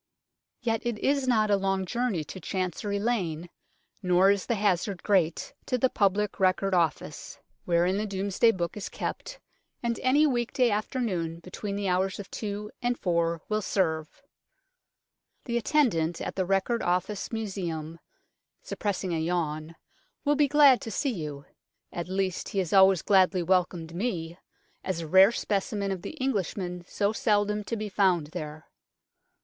Yet it is not a long journey to Chancery Lane, nor is the hazard great, to the Public Record 70 UNKNOWN LONDON Office, wherein the Domesday Book is kept, and any week day afternoon between the hours of two and four will serve. The attendant at the Record Office Museum (suppressing a yawn) will be glad to see you. At least, he has always gladly welcomed me, as a rare specimen of the Englishman so seldom to be found there.